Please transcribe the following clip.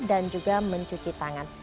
dan juga mencuci tangan